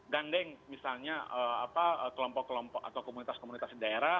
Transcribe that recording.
gandeng misalnya kelompok kelompok atau komunitas komunitas di daerah